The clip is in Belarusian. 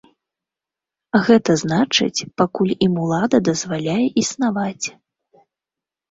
Гэта значыць, пакуль ім улада дазваляе існаваць.